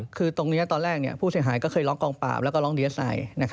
ก็คือทรงนี้ตอนแรกผู้เสียหายเคยร้องกองป่าแล้วก็ร้องเดียสัย